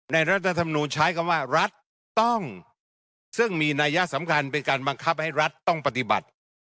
รัฐธรรมนูญใช้คำว่ารัฐต้องซึ่งมีนัยสำคัญเป็นการบังคับให้รัฐต้องปฏิบัติ